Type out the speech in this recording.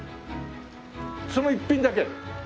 その一品だけ。